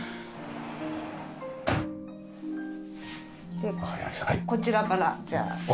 でこちらからじゃあ。